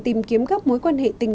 tìm kiếm các mối quan hệ lãng mạn